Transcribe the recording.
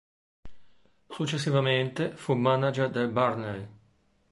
Successivamente, fu manager del Burnley.